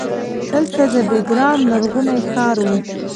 دلته د بیګرام لرغونی ښار و